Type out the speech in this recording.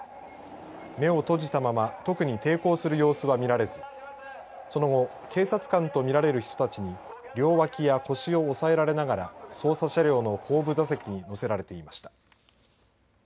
目を閉じたまま特に抵抗する様子は見られずその後警察官と見られる人たちに両脇や腰を押さえられながら捜査車両の後部座席に乗せられていました。